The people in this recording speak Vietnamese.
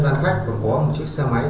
dân khách còn có một chiếc xe máy